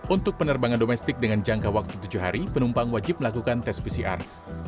untuk penerbangan domestik dengan jangka waktu tujuh hari penumpang wajib melakukan tes pcr